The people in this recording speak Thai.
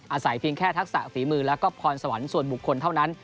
อาศัยเพียงแค่ทักษะฝีมือแล้วก็พรสวรรค์ส่วนบุคคลเท่านั้น